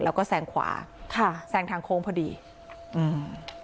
แล้วก็แซงขวาค่ะแซงทางโค้งพอดีอืม